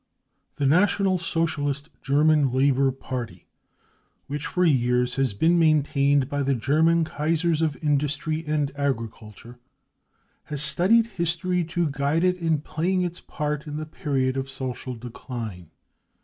The National Socialist German Labour Party, which for years has been maintained by the Ger man Caesars of industry ahd agriculture, has studied history to guide it in playing its part in the period of social decline.